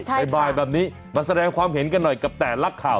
บ่ายแบบนี้มาแสดงความเห็นกันหน่อยกับแต่ละข่าว